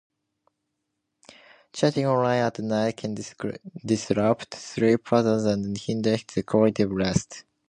Chatting online at night can disrupt sleep patterns and hinder the quality of rest.